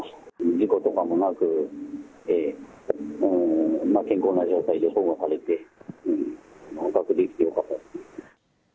事故とかもなく、健康な状態で保護されて、捕獲できてよかったですね。